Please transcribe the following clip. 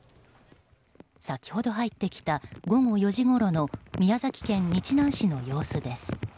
先ほど入ってきた午後４時ごろの宮崎県日南市の様子です。